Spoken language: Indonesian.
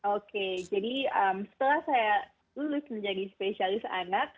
oke jadi setelah saya lulus menjadi spesialis anak